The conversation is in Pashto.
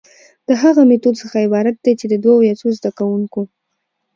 د هغه ميتود څخه عبارت دي چي د دوو يا څو زده کوونکو،